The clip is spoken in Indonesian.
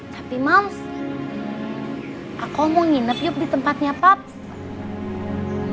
tapi moms aku mau nginep yuk di tempatnya paps